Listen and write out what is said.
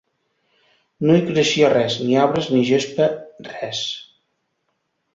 No hi creixia res, ni arbres, ni gespa... res.